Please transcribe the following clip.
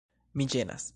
Mi ĝenas.